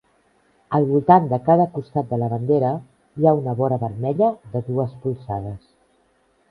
Al voltant de cada costat de la bandera hi ha una vora vermella de dues polzades.